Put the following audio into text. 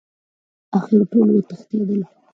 اخر ټول وتښتېدل.